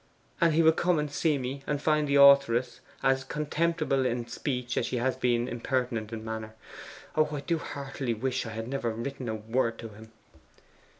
'And he will come and see me, and find the authoress as contemptible in speech as she has been impertinent in manner. I do heartily wish I had never written a word to him!